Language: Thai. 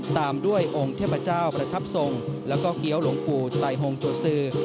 ตามด้วยองค์เทพเจ้าประทับทรงแล้วก็เกี้ยวหลวงปู่สไตโฮงจูซือ